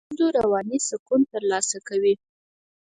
خلک له دندو رواني سکون ترلاسه کوي.